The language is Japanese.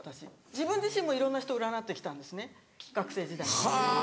自分自身もいろんな人占ってきたんですね学生時代。